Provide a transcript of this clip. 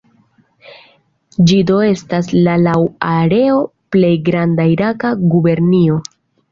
Ĝi do estas la laŭ areo plej granda iraka gubernio.